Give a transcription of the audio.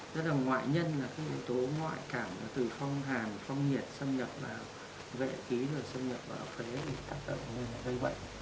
rất là ngoại nhân là cái yếu tố ngoại cảm là từ phong hàm phong nhiệt xâm nhập vào vệ ký xâm nhập vào phế để tác động người gây bệnh